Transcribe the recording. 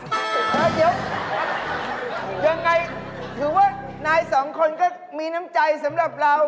เดี๋ยวยังไงถือว่านายสองคนก็มีน้ำใจสำหรับเรา